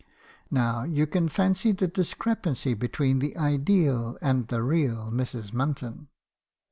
Now you can fancy the discrepancy between the ideal and the real Mrs. Munton.